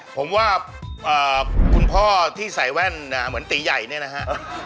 ผมว่าคุณพ่อที่ใส่แว่นเหมือนตีใหญ่เนี่ยนะฮะ